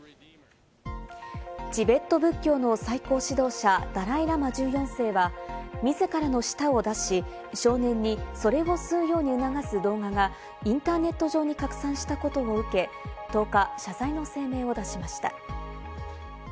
チベット仏教の最高指導者ダライ・ラマ１４世は、自らの舌を出し、少年にそれを吸うように促す動画がインターネット上に拡散したことを受け、１０日、謝罪の声明を出しました。